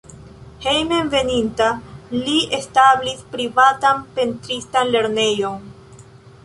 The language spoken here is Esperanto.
Hejmenveninta li establis privatan pentristan lernejon.